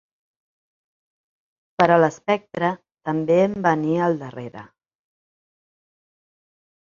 Però l'espectre també em venia al darrera